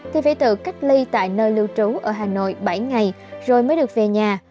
thì phải tự cách ly tại nơi lưu trú ở hà nội bảy ngày rồi mới được về nhà